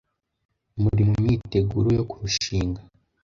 muri mu myiteguro yo kurushinga,